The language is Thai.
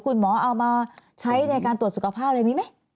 คุณหมอเอามาใช้ในการตรวจสุขภาพอะไรมีไหม